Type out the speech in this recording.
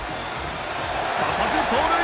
すかさず盗塁！